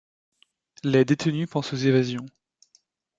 Les détenus pensent aux évasions.